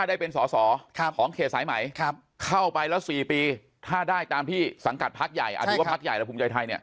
ถ้าได้เป็นสอสอของเขตสายใหม่เข้าไปแล้ว๔ปีถ้าได้ตามที่สังกัดพลักษณ์ใหญ่